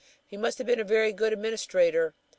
He must have been a very good administrator.